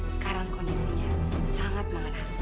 sekarang kondisinya sangat mengenaskan